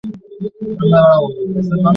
এটি একটি সরকারি মেডিকেল কলেজ।